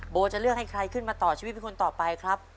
โบจะเลือกให้ใครขึ้นมาต่อชีวิตเป็นคนต่อไปครับ